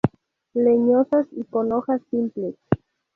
Leñosas y con hojas simples.